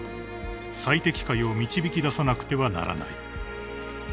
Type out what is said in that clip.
［最適解を導き出さなくてはならない］